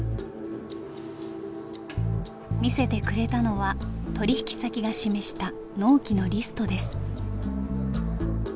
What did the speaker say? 見せてくれたのは取引先が示した納期のリストです。